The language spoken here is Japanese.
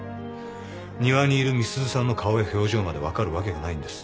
庭にいる美鈴さんの顔や表情まで分かるわけがないんです。